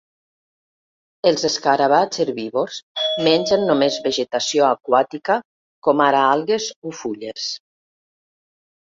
Els escarabats herbívors mengen només vegetació aquàtica, com ara algues o fulles.